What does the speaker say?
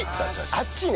あっちいね。